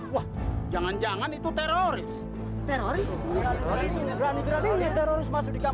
wah jangan jangan itu teroris teroris